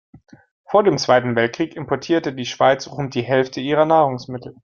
Vor dem Zweiten Weltkrieg importierte die Schweiz rund die Hälfte ihrer Nahrungsmittel.